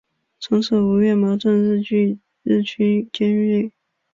从此吴越矛盾日趋尖锐。